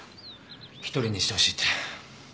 「一人にしてほしい」って。